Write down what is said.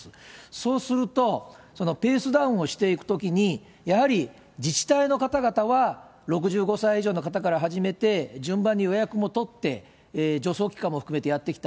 そうすると、ペースダウンをしていくときに、やはり自治体の方々は、６５歳以上の方から始めて、順番に予約も取って、助走期間も含めてやってきた。